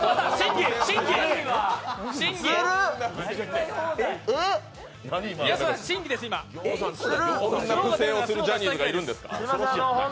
こんな不正をするジャニーズがいるんですか。